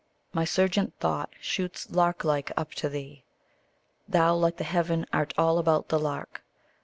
My surgent thought shoots lark like up to thee. Thou like the heaven art all about the lark.